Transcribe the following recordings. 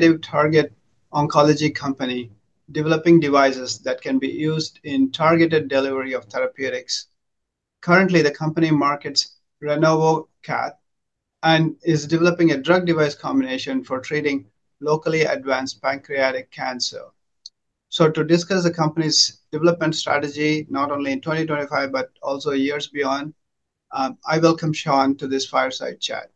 They're a targeted oncology company developing devices that can be used in targeted delivery of therapeutics. Currently, the company markets RenovoCath and is developing a drug-device combination for treating locally advanced pancreatic cancer. To discuss the company's development strategy, not only in 2025 but also years beyond, I welcome Shaun to this Fireside Chat.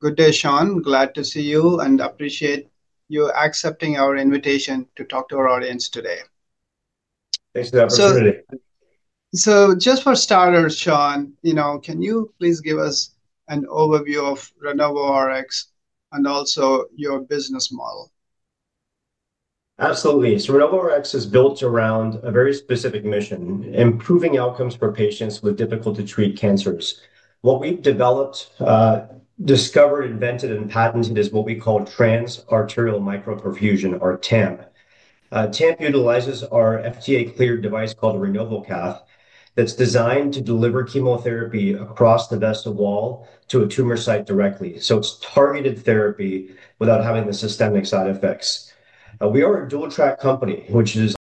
Good day, Shaun. Glad to see you and appreciate you accepting our invitation to talk to our audience today. Thanks for the opportunity. Just for starters, Shaun, you know, can you please give us an overview of RenovoRx and also your business model? Absolutely. RenovoRx is built around a very specific mission: improving outcomes for patients with difficult-to-treat cancers. What we've developed, discovered, invented, and patented is what we call Trans-Arterial Micro-Perfusion, or TAMP. TAMP utilizes our FDA-cleared device called RenovoCath that's designed to deliver chemotherapy across the vessel wall to a tumor site directly. It's targeted therapy without having the systemic side effects. We are a dual-track company, which is.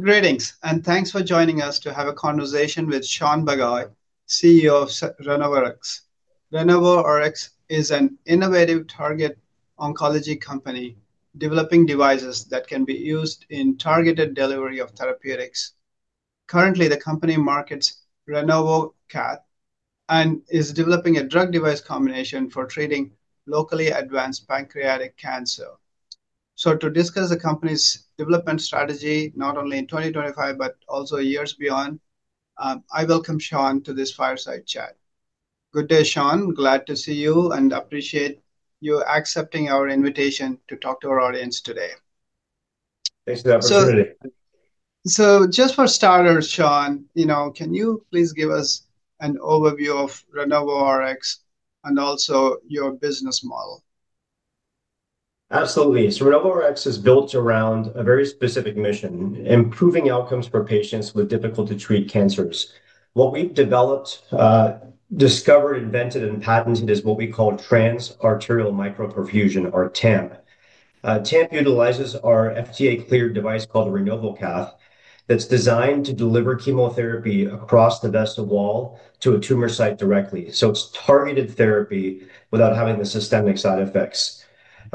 Greetings and thanks for joining us to have a conversation with Shaun Bagai, CEO of RenovoRx. RenovoRx is an innovative targeted oncology company developing devices that can be used in targeted delivery of therapeutics. Currently, the company markets RenovoCath and is developing a drug-device combination for treating locally advanced pancreatic cancer. To discuss the company's development strategy, not only in 2025 but also years beyond, I welcome Shaun to this Fireside Chat. Good day, Shaun. Glad to see you and appreciate you accepting our invitation to talk to our audience today. Thanks for the opportunity. Just for starters, Shaun, you know, can you please give us an overview of RenovoRx and also your business model? Absolutely. RenovoRx is built around a very specific mission: improving outcomes for patients with difficult-to-treat cancers. What we've developed, discovered, invented, and patented is what we call Trans-Arterial Micro-Perfusion, or TAMP. TAMP utilizes our FDA-cleared device called RenovoCath that's designed to deliver chemotherapy across the vessel wall to a tumor site directly. It's targeted therapy without having the systemic side effects.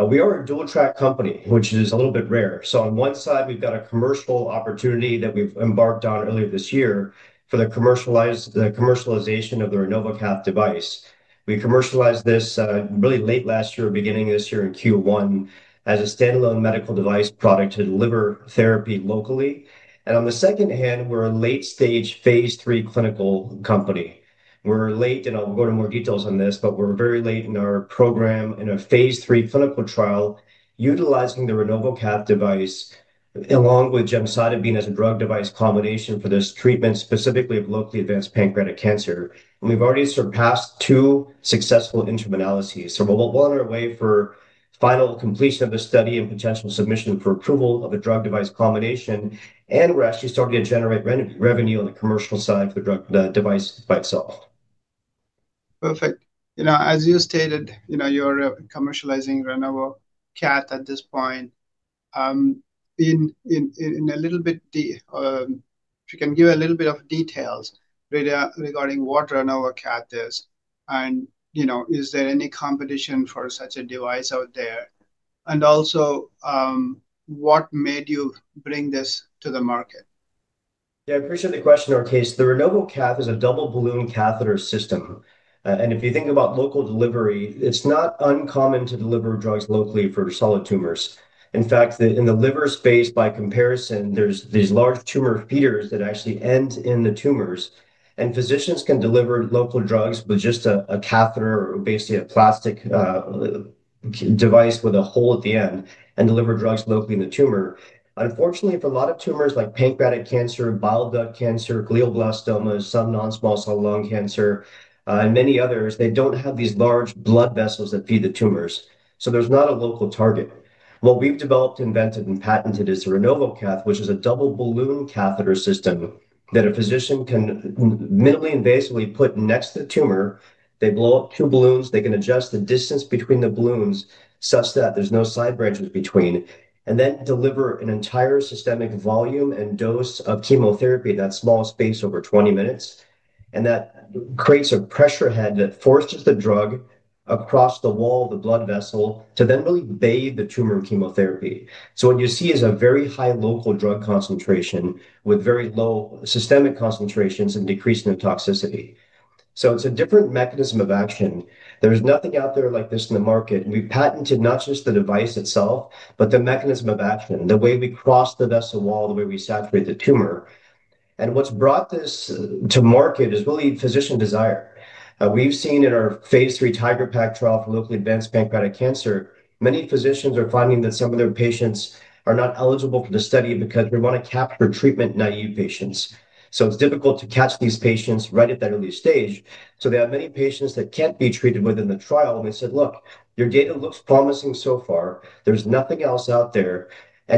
We are a dual-track company, which is a little bit rare. On one side, we've got a commercial opportunity that we've embarked on earlier this year for the commercialization of the RenovoCath device. We commercialized this really late last year, beginning this year in Q1, as a standalone medical device product to deliver therapy locally. On the second hand, we're a late-stage Phase III clinical company. We're late, and I'll go into more details on this, but we're very late in our program in a Phase III clinical trial utilizing the RenovoCath device along with gemcitabine as a drug-device combination for this treatment specifically of locally advanced pancreatic cancer. We've already surpassed two successful interim analyses. We're well on our way for final completion of the study and potential submission for approval of a drug-device combination, and we're actually starting to generate revenue on the commercial side for the device by itself. Perfect. As you stated, you're commercializing RenovoCath at this point. If you can give a little bit of details regarding what RenovoCath is, is there any competition for such a device out there? Also, what made you bring this to the market? Yeah, I appreciate the question, Rakesh. The RenovoCath is a double -balloon catheter system. If you think about local delivery, it's not uncommon to deliver drugs locally for solid tumors. In fact, in the liver space, by comparison, there are these large tumor feeders that actually end in the tumors. Physicians can deliver local drugs with just a catheter, or basically a plastic device with a hole at the end, and deliver drugs locally in the tumor. Unfortunately, for a lot of tumors like pancreatic cancer, bile duct cancer, glioblastoma, some non-small cell lung cancer, and many others, they don't have these large blood vessels that feed the tumors. There's not a local target. What we've developed, invented, and patented is RenovoCath, which is a double -balloon catheter system that a physician can minimally invasively put next to the tumor. They blow up two balloons. They can adjust the distance between the balloons such that there's no side branches between, and then deliver an entire systemic volume and dose of chemotherapy in that small space over 20 minutes. That creates a pressure head that forces the drug across the wall of the blood vessel to then really bathe the tumor in chemotherapy. What you see is a very high local drug concentration with very low systemic concentrations and decrease in their toxicity. It's a different mechanism of action. There is nothing out there like this in the market. We patented not just the device itself, but the mechanism of action, the way we cross the vessel wall, the way we saturate the tumor. What's brought this to market is really physician desire. We've seen in our Phase III TIGeR-PaC trial for locally advanced pancreatic cancer, many physicians are finding that some of their patients are not eligible for the study because we want to capture treatment-naive patients. It's difficult to catch these patients right at that early stage. They have many patients that can't be treated within the trial. They said, "Look, your data looks promising so far. There's nothing else out there, and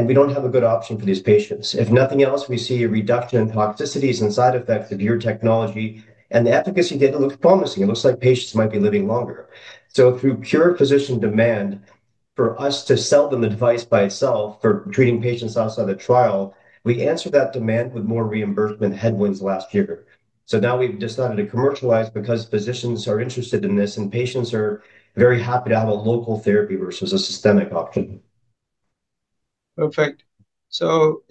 we don't have a good option for these patients. If nothing else, we see a reduction in toxicities and side effects of your technology, and the efficacy data looks promising. It looks like patients might be living longer." Through pure physician demand for us to sell them the device by itself for treating patients outside the trial, we answered that demand with more reimbursement headwinds last year. Now we've decided to commercialize because physicians are interested in this, and patients are very happy to have a local therapy versus a systemic option. Perfect. While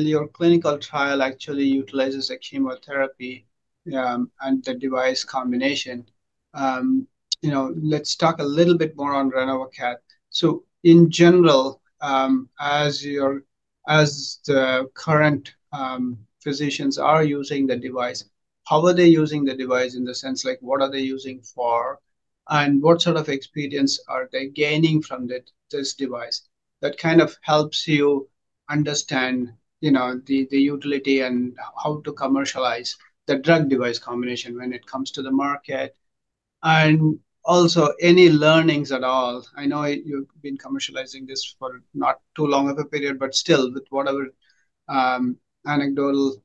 your clinical trial actually utilizes a chemotherapy and the device combination, let's talk a little bit more on RenovoCath. In general, as your current physicians are using the device, how are they using the device in the sense like what are they using it for and what sort of experience are they gaining from this device that kind of helps you understand the utility and how to commercialize the drug-device combination when it comes to the market? Also, any learnings at all? I know you've been commercializing this for not too long of a period, but still with whatever anecdotes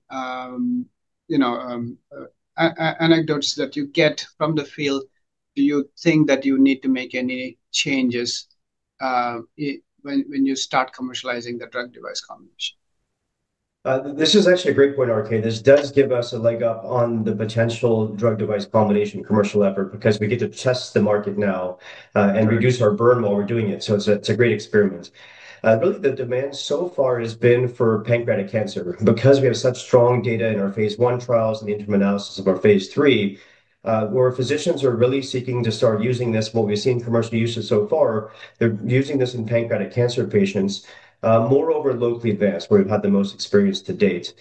that you get from the field, do you think that you need to make any changes when you start commercializing the drug-device combination? This is actually a great point, Rakesh. This does give us a leg up on the potential drug-device combination commercial effort because we get to test the market now and reduce our burn while we're doing it. It's a great experiment. I believe the demand so far has been for pancreatic cancer because we have such strong data in our Phase I trials and interim analysis of our Phase III where physicians are really seeking to start using this. What we've seen commercial uses so far, they're using this in pancreatic cancer patients, moreover locally advanced, where we've had the most experience to date.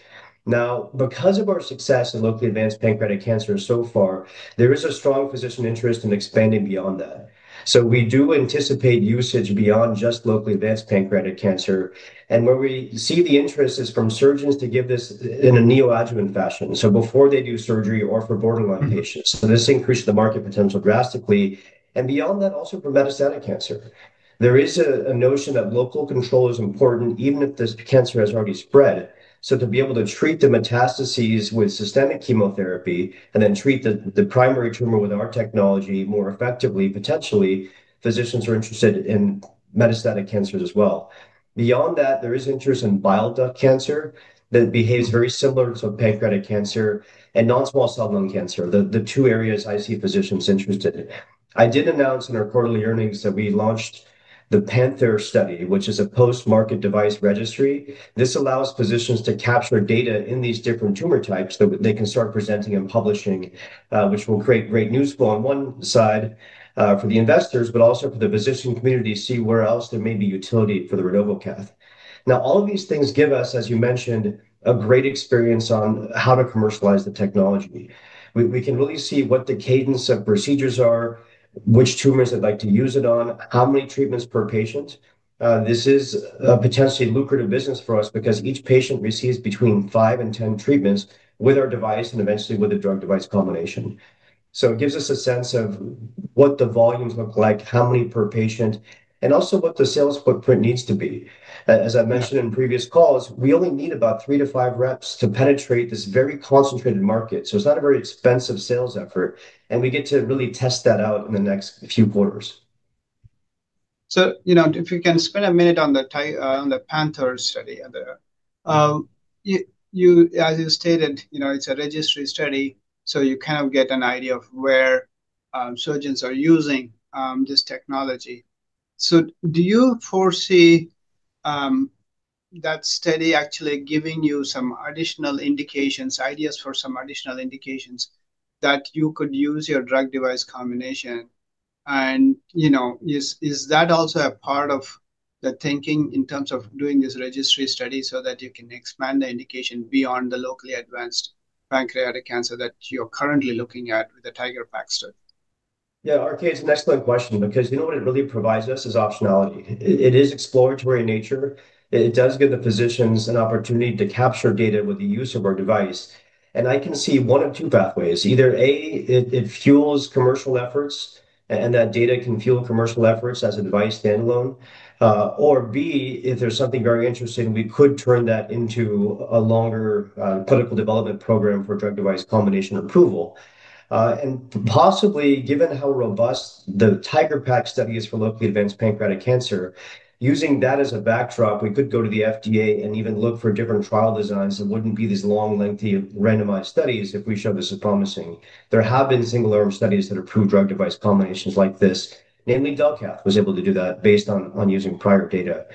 Now, because of our success in locally advanced pancreatic cancer so far, there is a strong physician interest in expanding beyond that. We do anticipate usage beyond just locally advanced pancreatic cancer. Where we see the interest is from surgeons to give this in a neoadjuvant fashion, before they do surgery or for borderline patients. This increases the market potential drastically. Beyond that, also for metastatic cancer. There is a notion that local control is important even if the cancer has already spread. To be able to treat the metastases with systemic chemotherapy and then treat the primary tumor with our technology more effectively, potentially, physicians are interested in metastatic cancers as well. Beyond that, there is interest in bile duct cancer that behaves very similar to pancreatic cancer and non-small cell lung cancer, the two areas I see physicians interested in. I did announce in our quarterly earnings that we launched the PanTheR study, which is a post-market device registry. This allows physicians to capture data in these different tumor types that they can start presenting and publishing, which will create great news flow on one side for the investors, but also for the physician community to see where else there may be utility for the RenovoCath. All of these things give us, as you mentioned, a great experience on how to commercialize the technology. We can really see what the cadence of procedures are, which tumors they'd like to use it on, how many treatments per patient. This is a potentially lucrative business for us because each patient receives between 5 and 10 treatments with our device and eventually with a drug-device combination. It gives us a sense of what the volumes look like, how many per patient, and also what the sales footprint needs to be. As I mentioned in previous calls, we only need about three to five reps to penetrate this very concentrated market. It's not a very expensive sales effort. We get to really test that out in the next few quarters. If you can spend a minute on the PanTheR study there, as you stated, it's a registry study. You kind of get an idea of where surgeons are using this technology. Do you foresee that study actually giving you some additional indications, ideas for some additional indications that you could use your drug-device combination? Is that also a part of the thinking in terms of doing this registry study so that you can expand the indication beyond the locally advanced pancreatic cancer that you're currently looking at with the TIGeR-PaC study? Yeah, Rakesh, that's a nice point question because you know what it really provides us is optionality. It is exploratory in nature. It does give the physicians an opportunity to capture data with the use of our device. I can see one of two pathways. Either A, it fuels commercial efforts, and that data can fuel commercial efforts as a device standalone. Or B, if there's something very interesting, we could turn that into a longer political development program for drug-device combination approval. Possibly, given how robust the TIGeR-PaC study is for locally advanced pancreatic cancer, using that as a backdrop, we could go to the FDA and even look for different trial designs. It wouldn't be these long, lengthy randomized studies if we show this is promising. There have been single-armed studies that have proved drug-device combinations like this. Namely, Delcal was able to do that based on using prior data.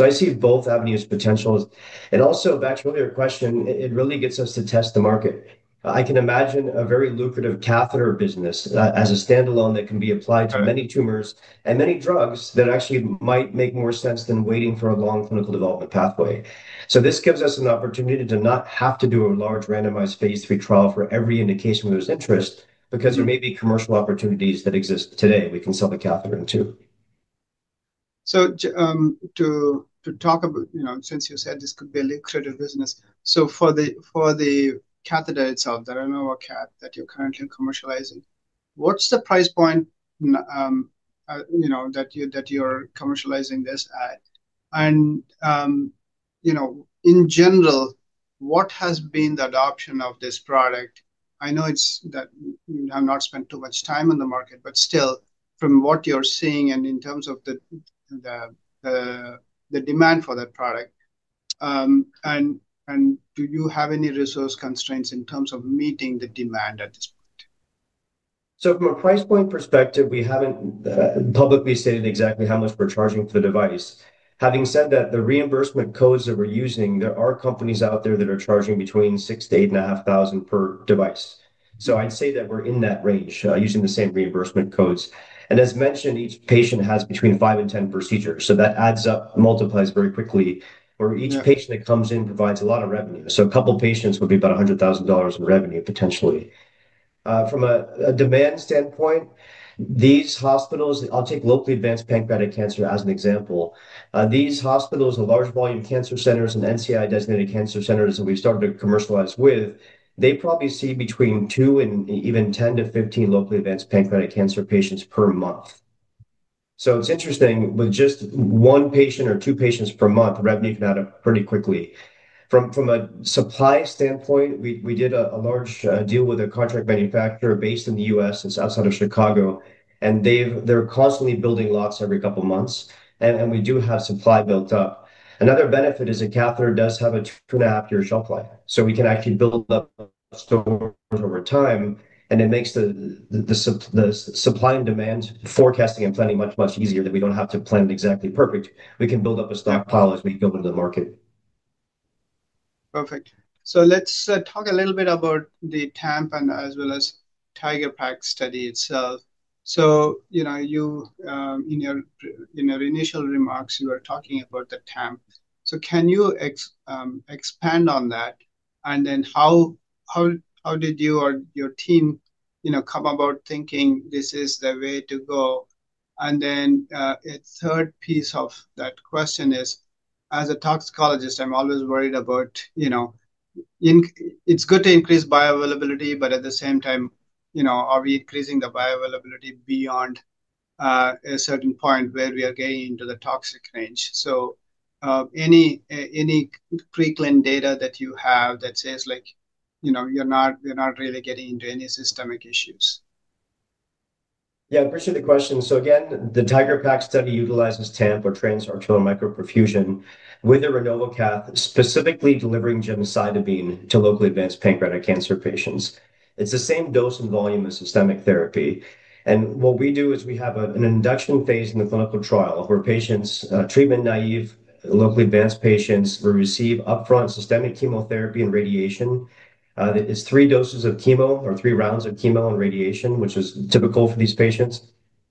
I see both avenues' potentials. Also, back to earlier question, it really gets us to test the market. I can imagine a very lucrative catheter business as a standalone that can be applied to many tumors and many drugs that actually might make more sense than waiting for a long clinical development pathway. This gives us an opportunity to not have to do a large randomized phase III trial for every indication where there's interest because there may be commercial opportunities that exist today we can sell the catheter to. To talk about, you know, since you said this could be a lucrative business, for the catheter itself, the RenovoCath that you're currently commercializing, what's the price point, you know, that you're commercializing this at? In general, what has been the adoption of this product? I know it's that I've not spent too much time on the market, but still, from what you're seeing and in terms of the demand for that product, do you have any resource constraints in terms of meeting the demand at this point? From a price point perspective, we haven't publicly stated exactly how much we're charging for the device. Having said that, the reimbursement codes that we're using, there are companies out there that are charging between $6,000- $8,500 per device. I'd say that we're in that range using the same reimbursement codes. As mentioned, each patient has between 5 and 10 procedures. That adds up, multiplies very quickly. For each patient that comes in, provides a lot of revenue. A couple of patients would be about $100,000 in revenue potentially. From a demand standpoint, these hospitals, I'll take locally advanced pancreatic cancer as an example. These hospitals, the large volume cancer centers, and NCI-designated cancer centers that we've started to commercialize with, they probably see between 2 and even 10- 15 locally advanced pancreatic cancer patients per month. It's interesting with just one patient or two patients per month, revenue can add up pretty quickly. From a supply standpoint, we did a large deal with a contract manufacturer based in the U.S. It's outside of Chicago. They're constantly building lots every couple of months. We do have supply built up. Another benefit is a catheter does have a two-and-a-half-year shelf life. We can actually build up stores over time. It makes the supply and demand forecasting and planning much, much easier that we don't have to plan it exactly perfect. We can build up a stockpile as we go into the market. Perfect. Let's talk a little bit about the TAMP and as well as the TIGeR-PaC study itself. In your initial remarks, you were talking about the TAMP. Can you expand on that? How did you or your team come about thinking this is the way to go? A third piece of that question is, as a toxicologist, I'm always worried about, you know, it's good to increase bioavailability, but at the same time, are we increasing the bioavailability beyond a certain point where we are getting into the toxic range? Any pre-clin data that you have that says you're not really getting into any systemic issues? Yeah, I appreciate the question. Again, the TIGeR-PaC study utilizes Trans-Arterial Micro-Perfusion with RenovoCath, specifically delivering gemcitabine to locally advanced pancreatic cancer patients. It's the same dose and volume as systemic therapy. What we do is we have an induction phase in the clinical trial where treatment-naive, locally advanced patients receive upfront systemic chemotherapy and radiation. It's three doses of chemo or three rounds of chemo and radiation, which is typical for these patients.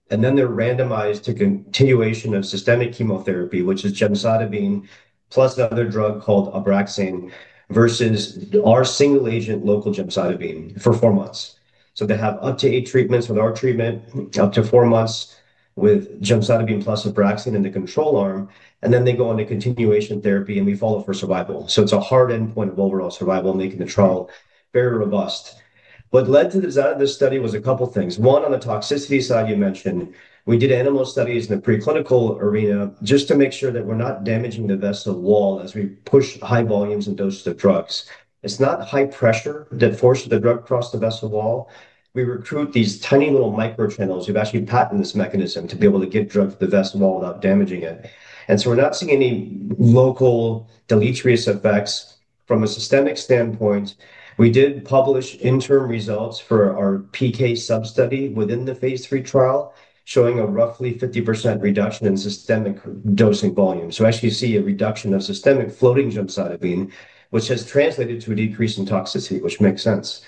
They are randomized to continuation of systemic chemotherapy, which is gemcitabine plus another drug called Abraxane, versus our single-agent local gemcitabine for four months. They have up to eight treatments with our treatment, up to four months with gemcitabine plus Abraxane in the control arm. They go on to continuation therapy, and we follow for survival. It's a hard endpoint of overall survival, making the trial very robust. What led to the design of this study was a couple of things. On the toxicity side you mentioned, we did animal studies in the preclinical arena just to make sure that we're not damaging the vessel wall as we push high volumes and doses of drugs. It's not high pressure that forces the drug across the vessel wall. We recruit these tiny little microtunnels. We've actually patented this mechanism to be able to get drugs to the vessel wall without damaging it. We're not seeing any local deleterious effects from a systemic standpoint. We did publish interim results for our PK substudy within the Phase III trial showing a roughly 50% reduction in systemic dosing volume. Actually, you see a reduction of systemic floating gemcitabine, which has translated into a decrease in toxicity, which makes sense.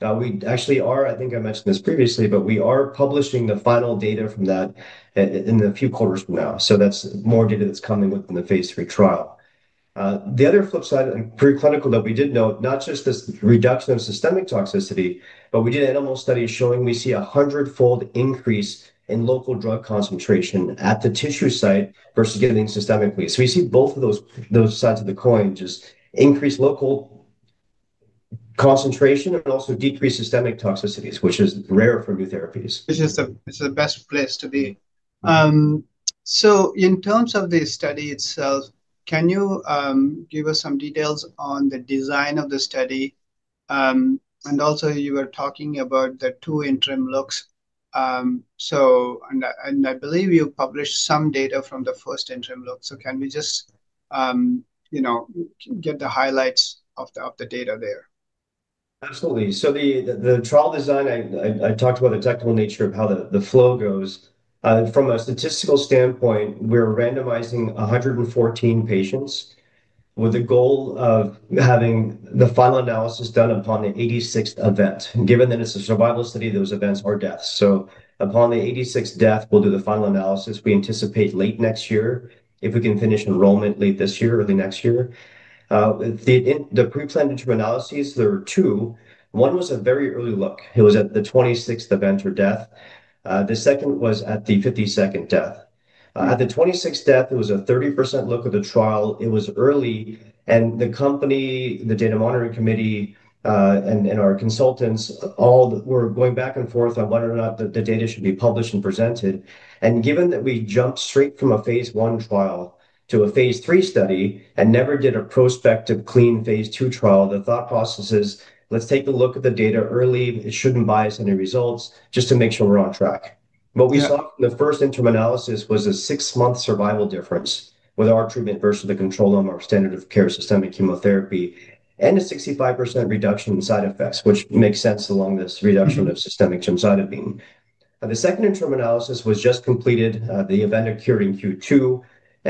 I think I mentioned this previously, but we are publishing the final data from that in a few quarters from now. That's more data that's coming within the Phase III trial. The other flip side in preclinical that we did note, not just this reduction in systemic toxicity, but we did animal studies showing we see a 100x increase in local drug concentration at the tissue site versus getting them systemically. We see both of those sides of the coin, just increased local concentration and also decreased systemic toxicities, which is rare for new therapies. This is the best place to be. In terms of the study itself, can you give us some details on the design of the study? You were talking about the two interim looks. I believe you published some data from the first interim look. Can we just get the highlights of the data there? Absolutely. The trial design, I talked about the technical nature of how the flow goes. From a statistical standpoint, we're randomizing 114 patients with the goal of having the final analysis done upon the 86th event. Given that it's a survival study, those events are deaths. Upon the 86th death, we'll do the final analysis. We anticipate late next year, if we can finish enrollment late this year or early next year. The pre-planned interim analyses, there were two. One was a very early look at the 26th event or death. The second was at the 52nd death. At the 26th death, it was a 30% look of the trial. It was early. The company, the data monitoring committee, and our consultants all were going back and forth on whether or not the data should be published and presented. Given that we jumped straight from a Phase I trial to a Phase III study and never did a prospective clean Phase II trial, the thought process is, let's take a look at the data early. It shouldn't bias any results just to make sure we're on track. What we saw in the first interim analysis was a six-month survival difference with our treatment versus the control arm, our standard of care systemic chemotherapy, and a 65% reduction in side effects, which makes sense along this reduction of systemic gemcitabine. The second interim analysis was just completed, the event occurring in Q2.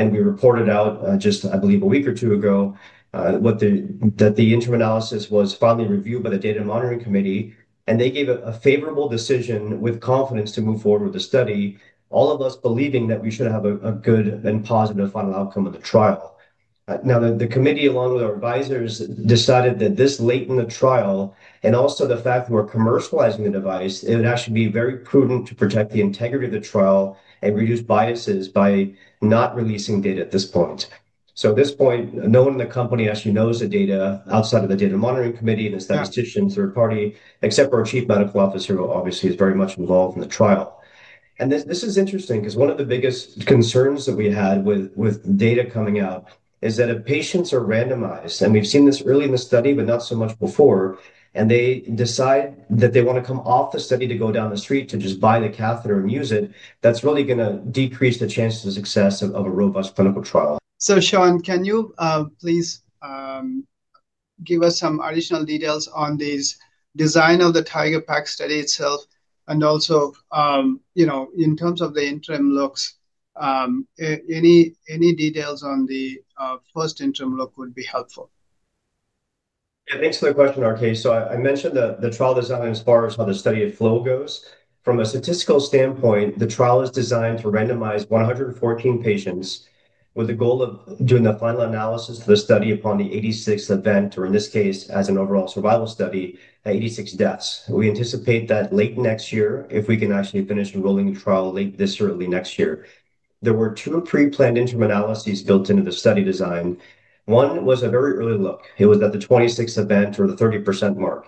We reported out just, I believe, a week or two ago that the interim analysis was finally reviewed by the data monitoring committee. They gave a favorable decision with confidence to move forward with the study, all of us believing that we should have a good and positive final outcome of the trial. The committee, along with our advisors, decided that this late in the trial and also the fact that we're commercializing the device, it would actually be very prudent to protect the integrity of the trial and reduce biases by not releasing data at this point. At this point, no one in the company actually knows the data outside of the data monitoring committee and the statisticians third party, except for our Chief Medical Officer who obviously is very much involved in the trial. This is interesting because one of the biggest concerns that we had with data coming out is that if patients are randomized, and we've seen this early in the study, but not so much before, and they decide that they want to come off the study to go down the street to just buy the catheter and use it, that's really going to decrease the chance of success of a robust clinical trial. Shaun, can you please give us some additional details on this design of the TIGeR-PaC study itself? Also, in terms of the interim looks, any details on the first interim look would be helpful. Yeah, thanks for the question, Rakesh. I mentioned the trial design as far as how the study flow goes. From a statistical standpoint, the trial is designed to randomize 114 patients with the goal of doing the final analysis of the study upon the 86th event, or in this case, as an overall survival study, at 86 deaths. We anticipate that late next year, if we can actually finish enrolling the trial late this year, early next year. There were two pre-planned interim analyses built into the study design. One was a very early look. It was at the 26th event or the 30% mark.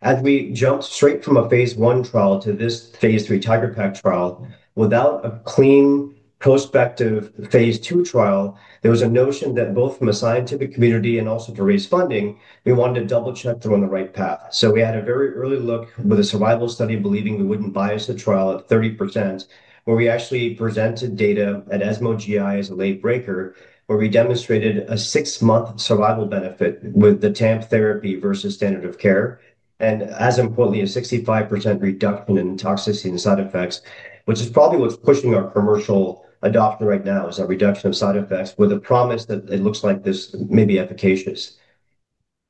As we jumped straight from a Phase I trial to this Phase III TIGeR-PaC trial, without a clean prospective Phase II trial, there was a notion that both from a scientific community and also to raise funding, we wanted to double-check that we're on the right path. We had a very early look with a survival study, believing we wouldn't bias the trial at 30%, where we actually presented data at ESMO GI as a late breaker, where we demonstrated a six-month survival benefit with the TAMP therapy versus standard of care. As importantly, a 65% reduction in toxicity and side effects, which is probably what's pushing our commercial adoption right now, is a reduction of side effects with a promise that it looks like this may be efficacious.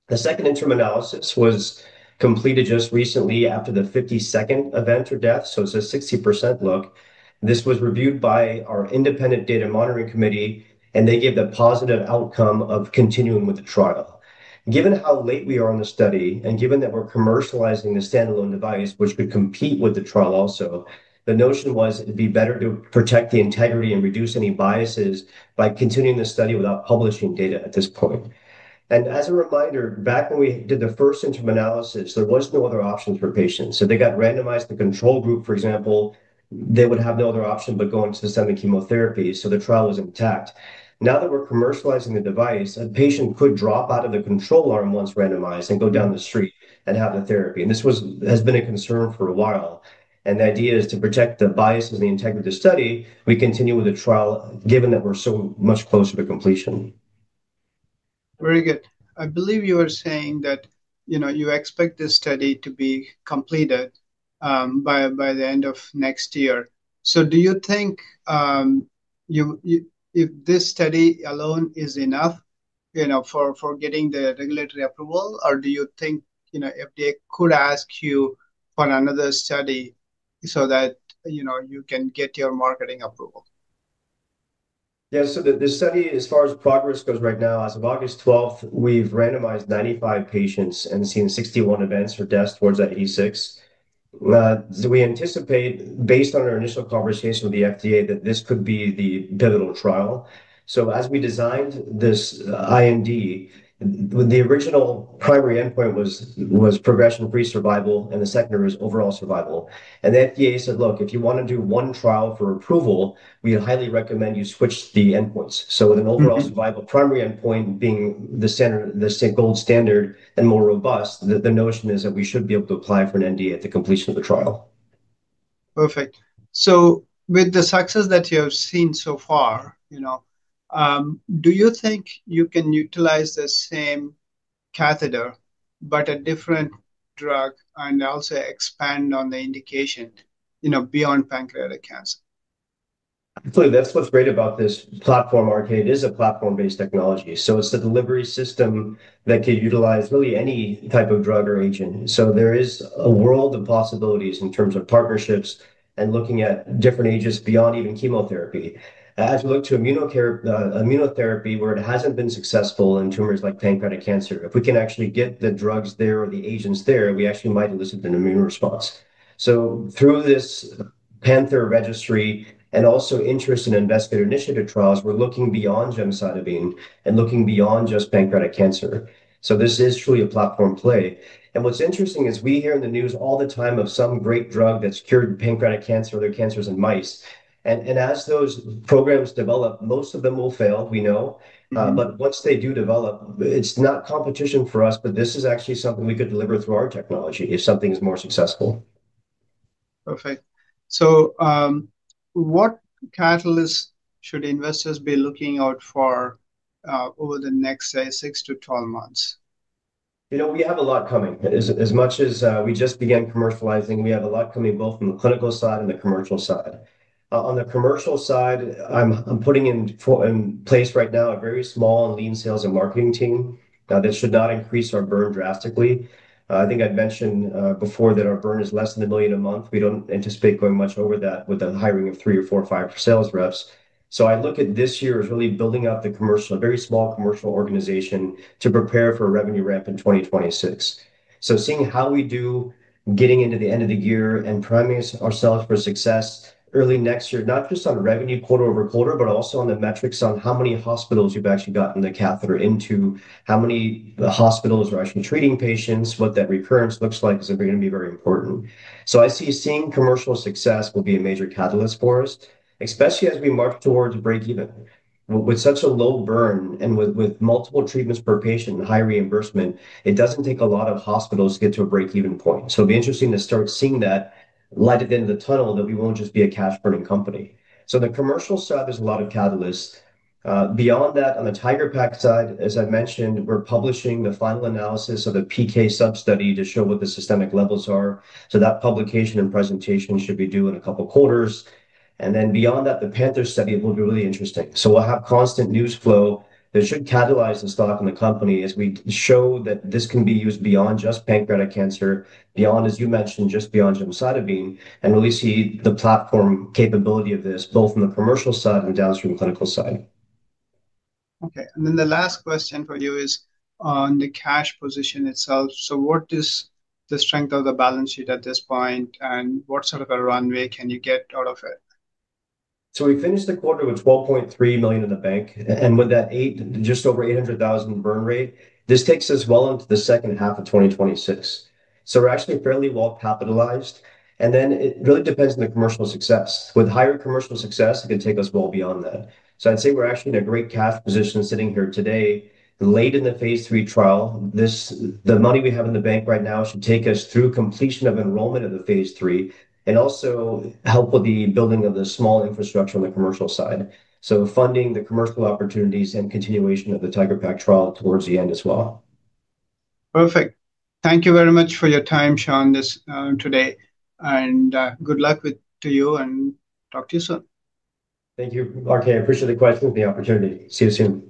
The second interim analysis was completed just recently after the 52nd event or death. It's a 60% look. This was reviewed by our independent data monitoring committee, and they gave the positive outcome of continuing with the trial. Given how late we are on the study and given that we're commercializing the standalone device, which could compete with the trial also, the notion was it'd be better to protect the integrity and reduce any biases by continuing the study without publishing data at this point. As a reminder, back when we did the first interim analysis, there was no other option for patients. If they got randomized to control group, for example, they would have no other option but go into the systemic chemotherapy. The trial was intact. Now that we're commercializing the device, a patient could drop out of the control arm once randomized and go down the street and have the therapy. This has been a concern for a while. The idea is to protect the biases and the integrity of the study, we continue with the trial given that we're so much closer to completion. Very good. I believe you were saying that you expect this study to be completed by the end of next year. Do you think this study alone is enough for getting the regulatory approval, or do you think FDA could ask you for another study so that you can get your marketing approval? Yeah, so the study, as far as progress goes right now, as of August 12th, we've randomized 95 patients and seen 61 events or deaths towards that 86. We anticipate, based on our initial conversation with the FDA, that this could be the pivotal trial. As we designed this IMD, the original primary endpoint was progression-free survival, and the secondary was overall survival. The FDA said, look, if you want to do one trial for approval, we highly recommend you switch the endpoints. With an overall survival primary endpoint being the center, the gold standard and more robust, the notion is that we should be able to apply for an NDA at the completion of the trial. Perfect. With the success that you have seen so far, do you think you can utilize the same catheter, but a different drug and also expand on the indication beyond pancreatic cancer? Actually, that's what's great about this platform, Rakesh. It is a platform-based technology. It's the delivery system that could utilize really any type of drug or agent. There is a world of possibilities in terms of partnerships and looking at different agents beyond even chemotherapy. As we look to immunotherapy, where it hasn't been successful in tumors like pancreatic cancer, if we can actually get the drugs there or the agents there, we actually might elicit an immune response. Through this PanTheR registry and also interest in investigator -initiative trials, we're looking beyond gemcitabine and looking beyond just pancreatic cancer. This is truly a platform play. What's interesting is we hear in the news all the time of some great drug that's cured pancreatic cancer or other cancers in mice. As those programs develop, most of them will fail, we know. Once they do develop, it's not competition for us, but this is actually something we could deliver through our technology if something is more successful. Perfect. What catalysts should investors be looking out for over the next, say, 6- 12 months? You know, we have a lot coming. As much as we just began commercializing, we have a lot coming both from the clinical side and the commercial side. On the commercial side, I'm putting in place right now a very small and lean sales and marketing team. This should not increase our burn drastically. I think I've mentioned before that our burn is less than $1 million a month. We don't anticipate going much over that with the hiring of three or four fire sales reps. I look at this year as really building out the commercial, a very small commercial organization to prepare for a revenue ramp in 2026. Seeing how we do getting into the end of the year and priming ourselves for success early next year, not just on revenue quarter -over -quarter, but also on the metrics on how many hospitals you've actually gotten the catheter into, how many hospitals are actually treating patients, what that recurrence looks like is going to be very important. I see seeing commercial success will be a major catalyst for us, especially as we march towards breakeven. With such a low burn and with multiple treatments per patient and high reimbursement, it doesn't take a lot of hospitals to get to a breakeven point. It'll be interesting to start seeing that light at the end of the tunnel that we won't just be a cash-burning company. On the commercial side, there's a lot of catalysts. Beyond that, on the TIGeR-PaC side, as I mentioned, we're publishing the final analysis of the PK substudy to show what the systemic levels are. That publication and presentation should be due in a couple of quarters. Beyond that, the PanTheR registry study will be really interesting. We'll have constant news flow that should catalyze the stock in the company as we show that this can be used beyond just pancreatic cancer, beyond, as you mentioned, just beyond gemcitabine, and really see the platform capability of this both from the commercial side and the downstream clinical side. Okay. The last question for you is on the cash position itself. What is the strength of the balance sheet at this point, and what sort of a runway can you get out of it? We finished the quarter with $12.3 million in the bank. With just over $800,000 in burn rate, this takes us well into the second half of 2026. We're actually fairly well capitalized. It really depends on the commercial success. With higher commercial success, it could take us well beyond that. I'd say we're actually in a great cash position sitting here today, late in the Phase III trial. The money we have in the bank right now should take us through completion of enrollment of the Phase III and also help with the building of the small infrastructure on the commercial side, funding the commercial opportunities and continuation of the TIGeR-PaC trial towards the end as well. Perfect. Thank you very much for your time, Shaun, today. Good luck to you, and talk to you soon. Thank you, Rakesh. I appreciate the question and the opportunity. See you soon.